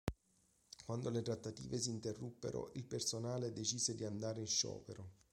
Quando le trattative si interruppero, il personale decise di andare in sciopero.